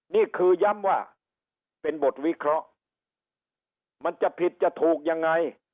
นี่คือย้ำว่าเป็นบทวิเคราะห์มันจะผิดจะถูกยังไง